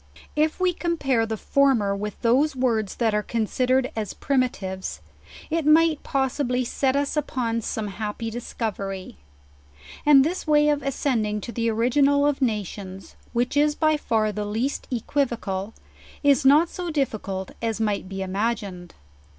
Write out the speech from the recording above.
If we compare the former with those words that are considered as primitives, it might possibly set us upon some happy discovery. And this way of ascending to the origin al of nations, which is by far the least equivocal, is not so difficult as might be imagined.